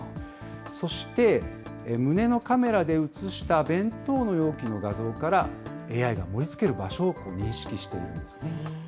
そして、胸のカメラで写した弁当の容器の画像から、ＡＩが盛りつける場所を認識しているんですね。